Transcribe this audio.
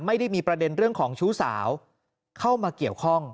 ไม่ได้มีประเด็นเรื่องของชู้สาวเข้ามาเกี่ยวข้อง